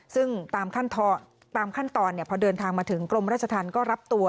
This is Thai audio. ซึ่งตามขั้นตอนพอเดินทางมาถึงกรมราชธรรมก็รับตัว